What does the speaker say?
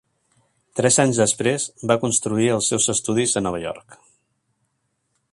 Tres anys després va construir els seus estudis a Nova York.